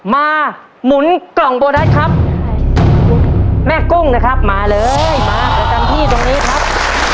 หมุนกล่องโบนัสครับแม่กุ้งนะครับมาเลยมาประจำที่ตรงนี้ครับ